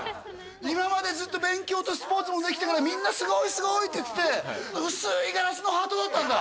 今までずっと勉強とスポーツもできたからみんな「すごいすごい」って言ってて薄いガラスのハートだったんだ